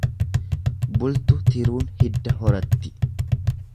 Bultu tiruun hidda horatti.